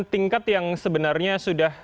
tingkat yang sebenarnya sudah